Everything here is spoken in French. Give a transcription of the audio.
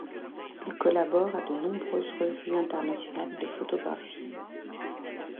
Il collabore à de nombreuses revues internationales de photographie.